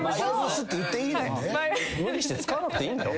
無理して使わなくていいんだよ